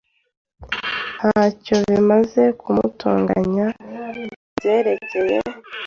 Ntacyo bimaze kumutonganya kubyerekeye.